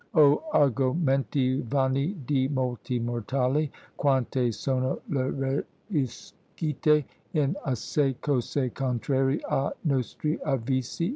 Oh argomenti vani di molti mortali, quante sono le ruiscite in assai cose contrarie a' nostri avvisi!